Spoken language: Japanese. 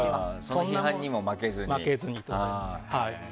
その批判にも負けずにと。